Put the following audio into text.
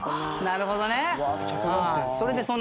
なるほど。